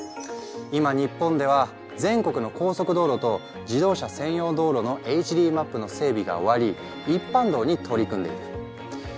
今日本では全国の高速道路と自動車専用道路のＨＤマップの整備が終わり一般道に取り組んでいる。